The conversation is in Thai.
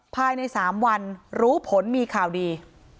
ภายใน๓วันรู้ผลมีข่าวดี